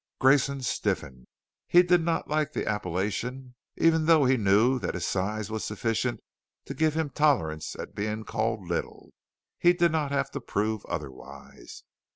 Grayson stiffened. He did not like the appellation even though he knew that his size was sufficient to give him tolerance at being called little; he did not have to prove otherwise.